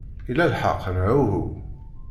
Ila lḥeqq, neɣ uhu?